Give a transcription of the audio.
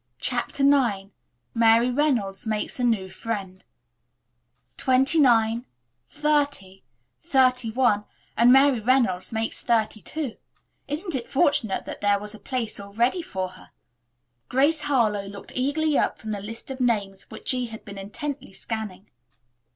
CHAPTER IX MARY REYNOLDS MAKES A NEW FRIEND "Twenty nine, thirty, thirty one and Mary Reynolds makes thirty two. Isn't it fortunate that there was a place all ready for her?" Grace Harlowe looked eagerly up from the list of names which she had been intently scanning.